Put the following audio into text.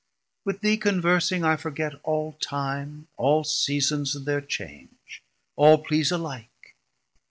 With thee conversing I forget all time, All seasons and thir change, all please alike.